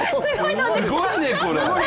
すごいね、これ。